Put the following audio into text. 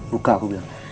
buka aku bilang